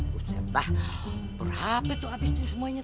buset lah berhapit tuh abis ini semuanya